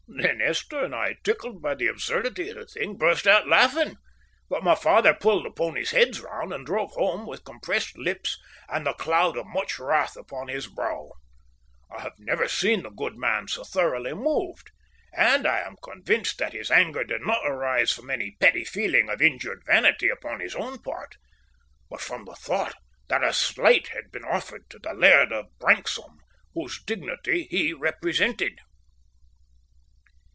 Then Esther and I, tickled by the absurdity of the thing, burst out laughing, but my father pulled the ponies' heads round, and drove home with compressed lips and the cloud of much wrath upon his brow. I have never seen the good man so thoroughly moved, and I am convinced that his anger did not arise from any petty feeling of injured vanity upon his own part, but from the thought that a slight had been offered to the Laird of Branksome, whose dignity he represented.